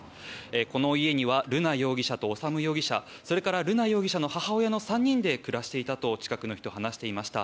この家には瑠奈容疑者と修容疑者瑠奈容疑者の母親の３人で暮らしていたと近くの人は話していました。